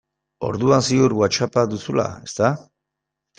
Orduan ziur Whatsapp-a duzula, ezta?